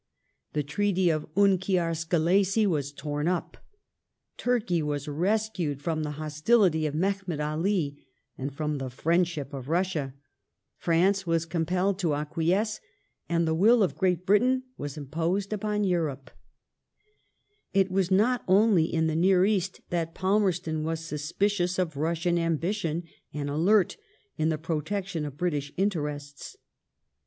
The Treaty of Unkiar Skelessi was torn up ; Turkey was rescued from the hostility of Mehemet All and from the friendship of Russia ; France was compelled to acquiescence, and the will of Great Britain was imposed upon Europe. The far It was not only in the near East that Palmerston was sus picious of Russian ambition and alert in the protection of British interests.